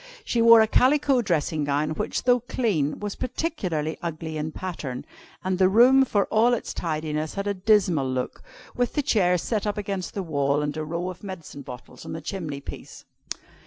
She wore a calico dressing gown, which, though clean, was particularly ugly in pattern; and the room, for all its tidiness, had a dismal look, with the chairs set up against the wall, and a row of medicine bottles on the chimney piece.